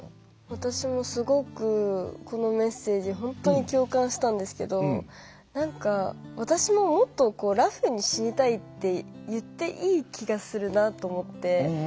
私もすごくこのメッセージ本当に共感したんですけどなんか私ももっとラフに死にたいって言っていい気がするなと思って。